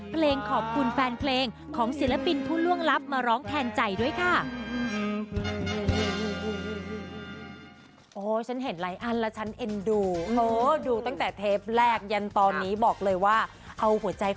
เพลงขอบคุณแฟนเพลงของศิลปินผู้ล่วงลับมาร้องแทนใจด้วยค่ะ